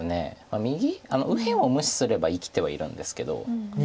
右辺を無視すれば生きてはいるんですけど。